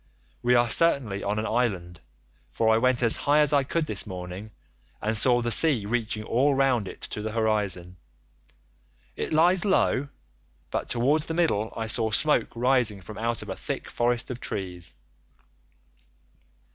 We are certainly on an island, for I went as high as I could this morning, and saw the sea reaching all round it to the horizon; it lies low, but towards the middle I saw smoke rising from out of a thick forest of trees.